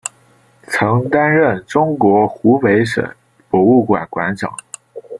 曾担任中国湖北省博物馆馆长。